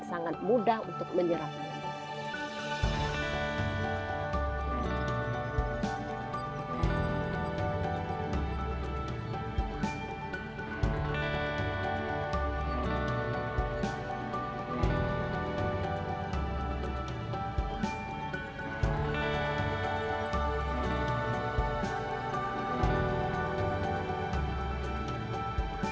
sangat mudah untuk menyerah kodiaire